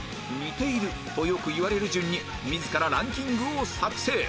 「似ている！」とよく言われる順に自らランキングを作成